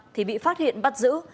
thì bị phát hiện bắt giữ